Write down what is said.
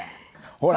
ほら。